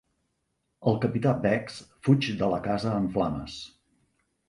El capità Beggs fuig de la casa en flames.